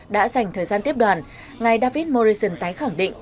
đã dành thời gian tiếp đoàn ngài david morrison tái khẳng định